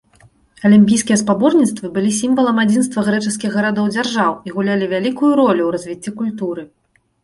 Алімпійскія спаборніцтвы былі сімвалам адзінства грэчаскіх гарадоў-дзяржаў і гулялі вялікую ролю ў развіцці культуры.